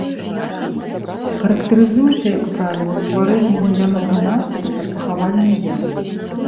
Характарызуецца, як правіла, утварэннем землянога насыпу над пахавальнай ямай.